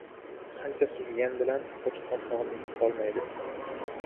• Qancha suzgan bilan qo‘chqor tog‘ni yiqitolmaydi.